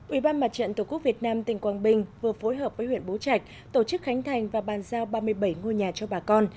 ủy ban mặt trận tổ quốc việt nam tỉnh quảng bình vừa phối hợp với huyện bố trạch tổ chức khánh thành và bàn giao ba mươi bảy ngôi nhà cho bà con